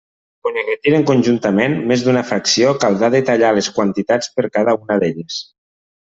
Quan es retiren conjuntament més d'una fracció caldrà detallar les quantitats per cada una d'elles.